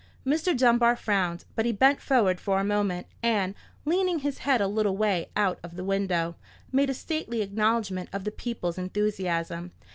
Mr. Dunbar frowned, but he bent forward for a moment, and, leaning his head a little way out of the window, made a stately acknowledgment of the people's enthusiasm.